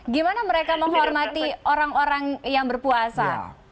gimana mereka menghormati orang orang yang berpuasa